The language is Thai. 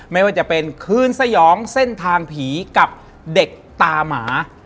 ไม่ว่าจะเป็นคืนสยองเส้นทางผีกับเด็กตาหมา